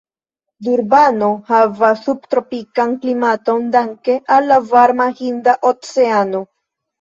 Durbano havas sub-tropikan klimaton danke al la varma Hinda Oceano.